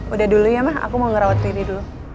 udah dulu ya ma aku mau ngerawat riri dulu